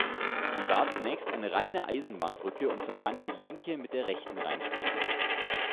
Sie war zunächst eine reine Eisenbahnbrücke und verband die linke mit der rechten Rheinstrecke.